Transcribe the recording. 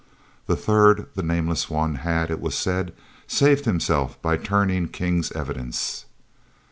The third, the nameless one, had, it was said, saved himself by turning King's evidence.